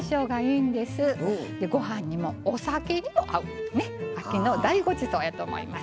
でご飯にもお酒にも合うねっ秋の大ごちそうやと思います。